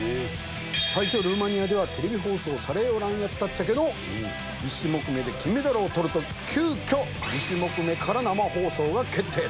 最初ルーマニアではテレビ放送されようらんやったっちゃけど１種目目で金メダルを取ると急きょ２種目目から生放送が決定。